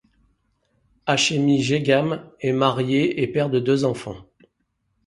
Hachemi Jegham est marié et père de deux enfants.